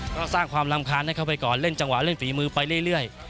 ก็สร้างความรำคาญให้เข้าไปก่อนเล่นจังหวะเล่นฝีมือไปเรื่อย